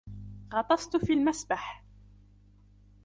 غطست في المسبح.